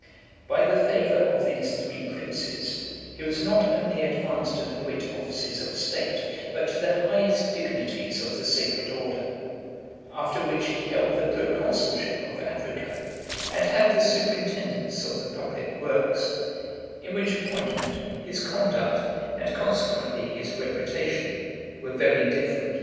V. By the favour of these three princes, he was not only advanced to the great offices of state, but to the highest dignities of the sacred order; after which he held the proconsulship of Africa, and had the superintendence of the public works, in which appointment his conduct, and, consequently, his reputation, were very different.